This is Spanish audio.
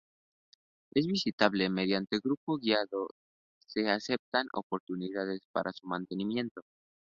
Es visitable mediante grupo guiado, se aceptan aportaciones para su mantenimiento.